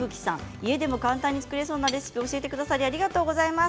家でも簡単に作れそうなレシピを教えてくださってありがとうございます。